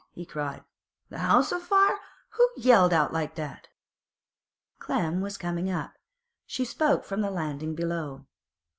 he cried. 'The 'ouse o' fire? Who yelled out like that?' Clem was coming up; she spoke from the landing below.